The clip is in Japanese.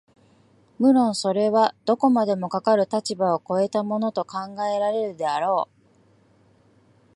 無論それはどこまでもかかる立場を越えたものと考えられるであろう、